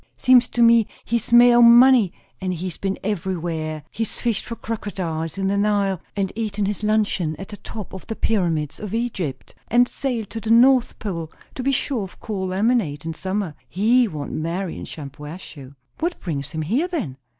'Seems to me he's made o' money; and he's been everywhere; he's fished for crocodiles in the Nile, and eaten his luncheon at the top of the Pyramids of Egypt, and sailed to the North Pole to be sure of cool lemonade in summer. He won't marry in Shampuashuh." "What brings him here, then?"